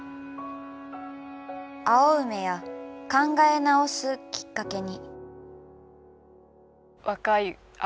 「青梅や考え直すきっかけに」。